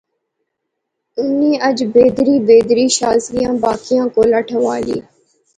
اُنی اج پھیدری پھیدری شازیہ باقیں کولا ٹھوالی